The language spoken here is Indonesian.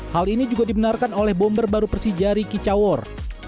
hal ini juga dibenarkan oleh bomber baru persija riki cawor